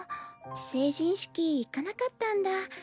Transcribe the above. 成人式行かなかったんだ。